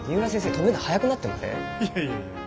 止めるの早くなってません？